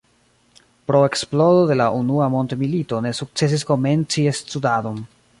Pro eksplodo de la unua mondmilito ne sukcesis komenci studadon.